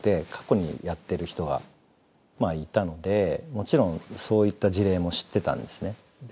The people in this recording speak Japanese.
もちろんそういった事例も知ってたんですね。